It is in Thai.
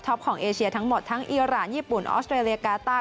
ของเอเชียทั้งหมดทั้งอิราณญี่ปุ่นออสเตรเลียกาต้า